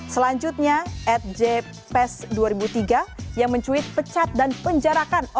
selanjutnya ad jps dua ribu tiga yang mencuit pecat dan penjarakan okno